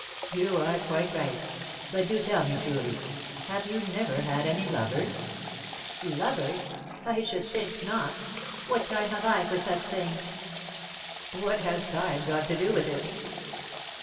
"You are quite right; but do tell me truly, have you never had any lovers?" "Lovers! I should think not! What time have I for such things?" "What has time got to do with it?"